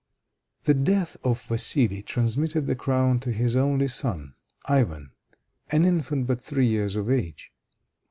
The death of Vassili transmitted the crown to his only son, Ivan, an infant but three years of age.